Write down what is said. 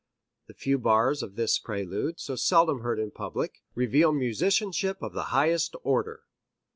The few bars of this prelude, so seldom heard in public, reveal musicianship of the highest order.